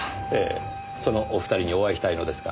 そのお二人にお会いしたいのですが。